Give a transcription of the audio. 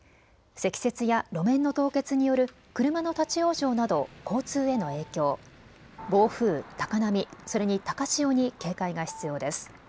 積雪や路面の凍結による車の立往生など交通への影響、暴風、高波、それに高潮に警戒が必要です。